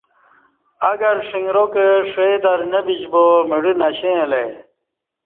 اگر ݜݣراکہ ݜئ در نہ بمیش با مڑہ نشیں اہ لہ ای